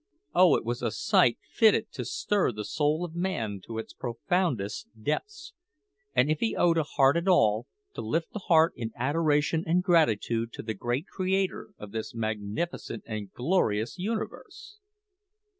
Oh, it was a sight fitted to stir the soul of man to its profoundest depths! and if he owned a heart at all, to lift that heart in adoration and gratitude to the great Creator of this magnificent and glorious universe!